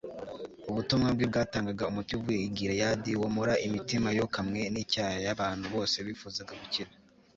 ubutumwa bwe bwatangaga umuti uvuye i Galeyadi womora imitima yokamwe nicyaha yabantu bose bifuzaga gukira